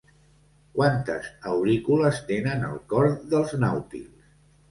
Quantes aurícules tenen el cor dels nàutils?